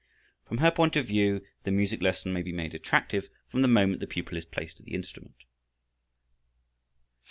From her point of view the music lesson may be made attractive from the moment the pupil is placed at the instrument.